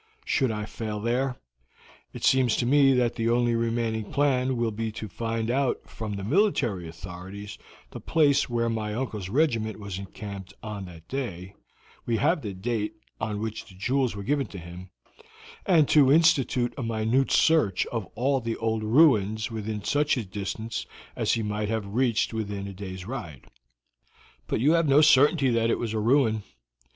Should I fail there, it seems to me that the only remaining plan will be to find out from the military authorities the place where my uncle's regiment was encamped on the day we have the date on which the jewels were given to him and to institute a minute search of all the old ruins within such a distance as he might have reached within a day's ride." "But you have no certainty that it was a ruin.